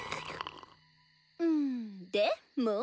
うんでもぉ。